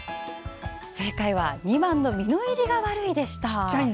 正解は、２番の実の入りが悪い。